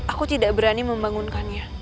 aku tidak berani membangunkannya